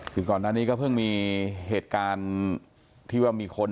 คือก่อนหน้านี้ก็เพิ่งมีเหตุการณ์ที่ว่ามีคน